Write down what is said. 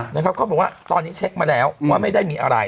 เขาบอกว่าตอนนี้เช็คมาแล้วว่าไม่ได้มีอะไร